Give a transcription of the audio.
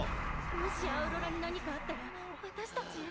もしアウロラに何かあったら私たち。